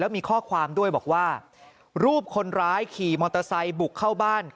มีข้อความด้วยบอกว่ารูปคนร้ายขี่มอเตอร์ไซค์บุกเข้าบ้าน